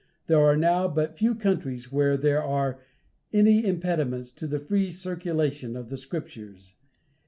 There are now but few countries where there are any impediments to the free circulation of the Scriptures.